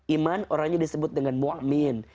iman orangnya disebut dengan mu'min